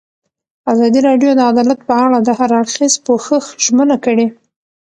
ازادي راډیو د عدالت په اړه د هر اړخیز پوښښ ژمنه کړې.